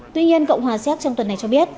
tuy nhiên cộng hòa xép trong tuần này cho biết